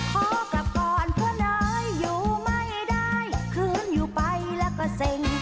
ขอกลับก่อนเพราะนายอยู่ไม่ได้คืนอยู่ไปแล้วก็เซ็ง